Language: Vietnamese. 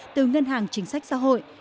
từ ngân hàng chính sách xã hội